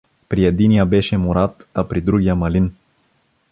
При единия беше Мурад, а при другия Малин.